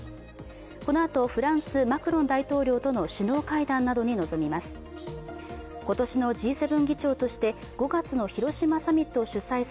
このあとフランス・マクロン大統領との首脳会議などに臨みます。